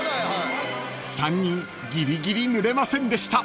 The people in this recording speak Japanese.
［３人ギリギリぬれませんでした］